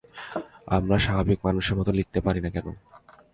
আমরা স্বাভাবিক মানুষের মতো লিখতে পারি না কেন?